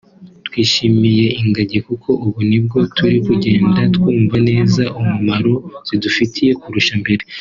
twishimiye ingagi kuko ubu nibwo turi kugenda twumva neza umumaro zidufitiye kurusha mbere